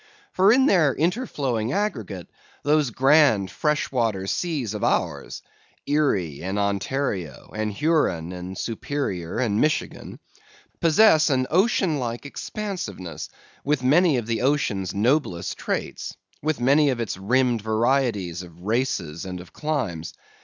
For in their interflowing aggregate, those grand fresh water seas of ours,—Erie, and Ontario, and Huron, and Superior, and Michigan,—possess an ocean like expansiveness, with many of the ocean's noblest traits; with many of its rimmed varieties of races and of climes.